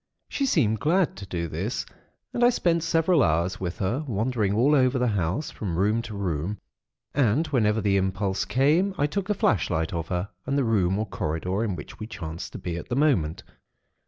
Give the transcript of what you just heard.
She seemed glad to do this, and I spent several hours with her, wandering all over the house, from room to room; and whenever the impulse came, I took a flashlight of her and the room or corridor in which we chanced to be at the moment.